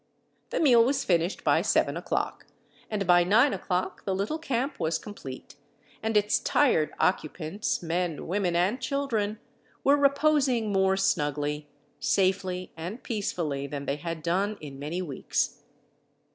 The meal was finished by 7 o'clock, and by 9 o'clock the little camp was complete, and its tired occupants, men, women, and children, were reposing more snugly, safely, and peacefully than they had done in many weeks.